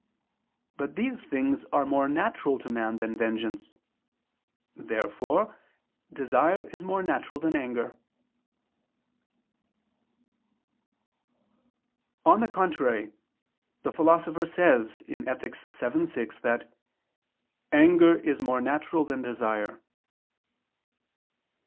But these things are more natural to man than vengeance. Therefore desire is more natural than anger. On the contrary, The Philosopher says (Ethic. vii, 6) that "anger is more natural than desire."